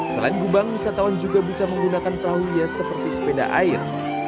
selain gubang wisatawan juga bisa menggunakan perahu hias seperti sepeda air